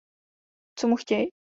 Co mu chtěj?